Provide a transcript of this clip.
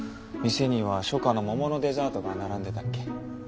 店には初夏の桃のデザートが並んでたっけ。